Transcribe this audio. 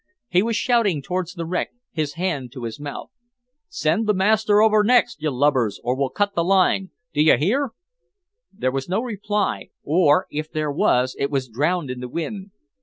He was shouting towards the wreck, his hand to his mouth. "Send the master over next, you lubbers, or we'll cut the line. Do you hear?" There was no reply or, if there was, it was drowned in the wind.